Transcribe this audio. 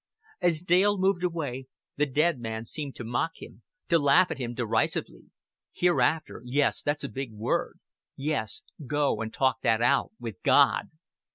As Dale moved away slowly, the dead man seemed to mock him, to laugh at him derisively. "Hereafter yes, that's a big word. Yes, go and talk that out with God."